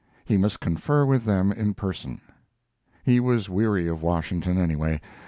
He must confer with them in person. He was weary of Washington, anyway.